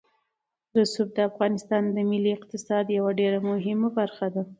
رسوب د افغانستان د ملي اقتصاد یوه ډېره مهمه برخه ده.